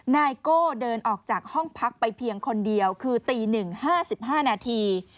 นายโก้เดินออกจากห้องพักไปเพียงคนเดียวคือตี๑๕๕นาที